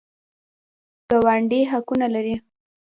ګاونډي حقونه لري